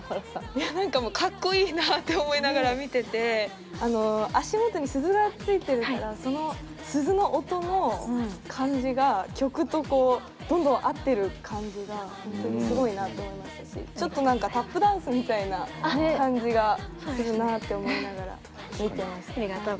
いや何かもうかっこいいなって思いながら見てて足元に鈴が付いてるからその鈴の音の感じが曲とこうどんどん合ってる感じがほんとにすごいなって思いましたしちょっと何かタップダンスみたいな感じがするなあって思いながら見てました。